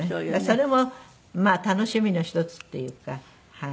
それもまあ楽しみの一つっていうか。